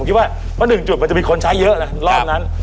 ผมคิดว่า๑จุดมันจะมีคนใช้เยอะนะรอบนั้น